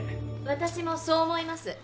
私もそう思います。